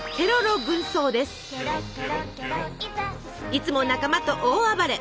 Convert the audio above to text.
いつも仲間と大暴れ！